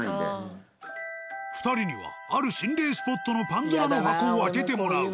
２人にはある心霊スポットのパンドラの箱を開けてもらう。